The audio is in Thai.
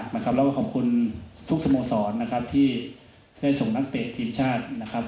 แล้วก็ขอบคุณทุกสโมสรนะครับที่ได้ส่งนักเตะทีมชาตินะครับ